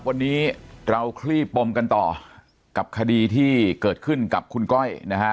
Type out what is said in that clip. วันนี้เราคลี่ปมกันต่อกับคดีที่เกิดขึ้นกับคุณก้อยนะฮะ